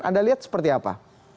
anda lihat seperti apa